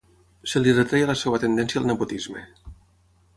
Se li retreia la seva tendència al nepotisme.